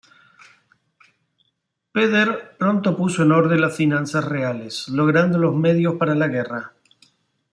Peder pronto puso en orden las finanzas reales, logrando los medios para la guerra.